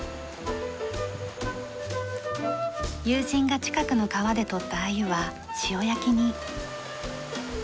友人が近くの川で取った鮎は塩焼きに。